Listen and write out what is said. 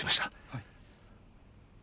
はい。